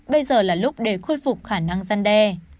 bây giờ là lúc để khôi phục khả năng gian đe